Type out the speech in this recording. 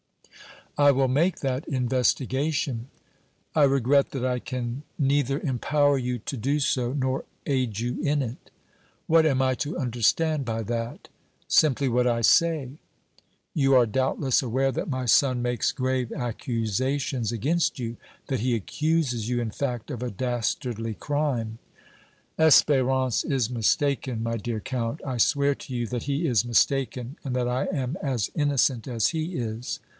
"I will make that investigation." "I regret that I can neither empower you to do so nor aid you in it!" "What am I to understand by that?" "Simply what I say." "You are, doubtless, aware that my son makes grave accusations against you, that he accuses you, in fact, of a dastardly crime." "Espérance is mistaken, my dear Count; I swear to you that he is mistaken and that I am as innocent as he is!"